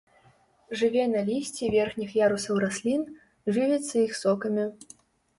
Жыве на лісці верхніх ярусаў раслін, жывіцца іх сокамі.